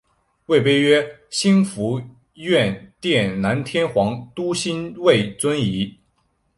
位牌曰兴福院殿南天皇都心位尊仪。